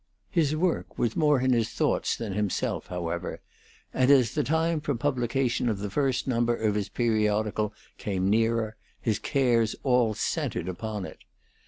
His work was more in his thoughts than himself, however; and as the time for the publication of the first number of his periodical came nearer, his cares all centred upon it.